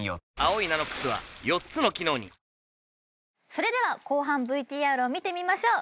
それでは後半ＶＴＲを見てみましょう！